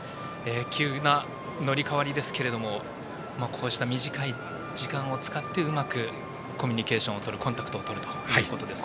急な乗り代わりですけれどもこうした短い時間を使ってうまくコミュニケーションをとるコンタクトをとるということですね。